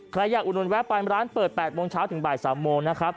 ใครอยากอุโดนแวะไปร้านเปิด๘ช้าถึงบ๓โมง